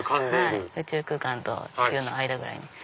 宇宙空間と地球の間ぐらいに。